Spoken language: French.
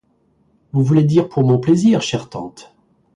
Vous voulez dire pour mon plaisir, chère tante.